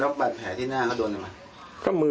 แล้วบาดแผลที่หน้าเขาโดนทำไม